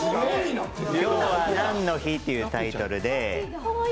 「きょうはなんの日？」というタイトルで。